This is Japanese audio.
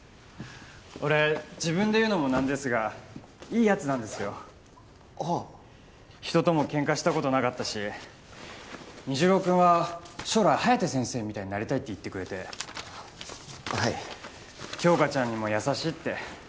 俺自分で言うのもなんですがいいやつなんですよはあ人ともケンカしたことなかったし虹朗君は将来颯先生みたいになりたいって言ってくれてはい杏花ちゃんにも「優しい」って